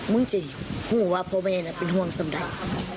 มึงจะคือว่าเพราะมั้งก็เป็นห่วงสำทัก